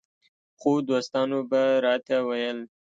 خو دوستانو به راته ویل